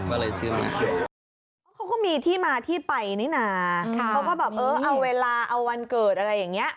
เพราะเขาก็มีที่มาที่ไปนี่นะเขาก็แบบเออเอาเวลาเอาวันเกิดอะไรอย่างเงี้ย